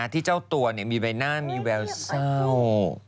ที่เจ้าตัวมีใบหน้ามีแววเศร้า